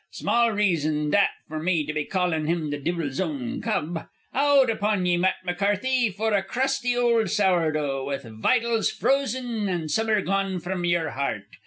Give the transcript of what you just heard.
Small reason, that, for me to be callin' him the devil's own cub. Out upon ye, Matt McCarthy, for a crusty old sour dough, with vitals frozen an' summer gone from yer heart!